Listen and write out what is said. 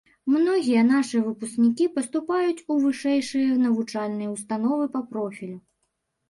Многія нашы выпускнікі паступаюць у вышэйшыя навучальныя ўстановы па профілю.